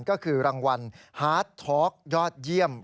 ก็คือรางวัลฮาร์ดทอล์กยอดเยี่ยม